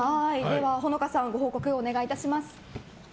ほのかさんご報告お願いします。